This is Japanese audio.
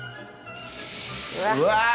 うわ！